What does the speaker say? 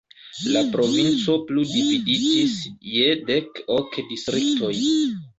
La provinco plu dividiĝis je dek ok distriktoj.